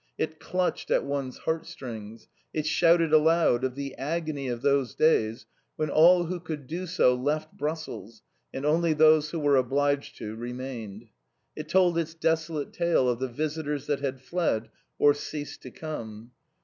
It clutched at one's heart strings. It shouted aloud of the agony of those days when all who could do so left Brussels, and only those who were obliged to remained. It told its desolate tale of the visitors that had fled, or ceased to come.